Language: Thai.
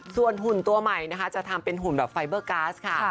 ส่วนหุ่นตัวใหม่นะคะจะทำเป็นหุ่นแบบไฟเบอร์ก๊าซค่ะ